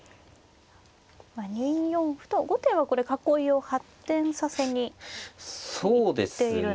今２四歩と後手はこれ囲いを発展させに行っているんでしょうか。